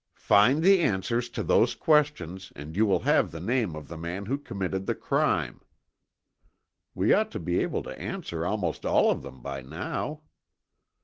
"Find the answers to those questions and you will have the name of the man who committed the crime." We ought to be able to answer almost all of them by now.